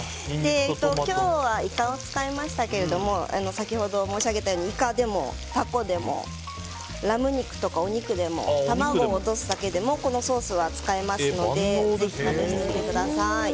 今日はイカを使いましたけど先ほど申し上げたようにイカでもタコでもラム肉とかお肉でも卵を落とすだけでもこのソースは使えますのでぜひ試してみてください。